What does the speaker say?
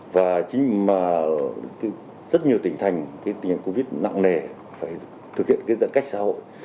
và chính là rất nhiều tỉnh thành tình hình covid nặng nề phải thực hiện giãn cách xã hội